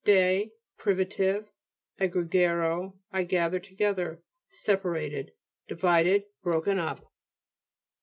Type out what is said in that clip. de, pri vitive, aggrego, I gather together. Separated, divided, broken up.